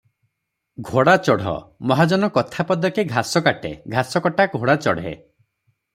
ଘୋଡ଼ାଚଢ଼; ମହାଜନ କଥା ପଦକେ ଘାସ କାଟେ-ଘାସକଟା ଘୋଡ଼ା ଚଢ଼େ ।